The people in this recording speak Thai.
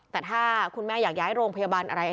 แต่ถ้าคุณแม่อยากย้ายโรงพยาบาลอะไร